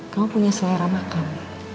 kamu punya selera makan